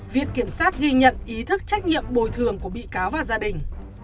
viện kiểm sát ghi nhận ý thức trách nhiệm bồi thường của bị cáo và gia đình